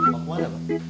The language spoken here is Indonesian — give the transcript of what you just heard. kau mau ke mana pak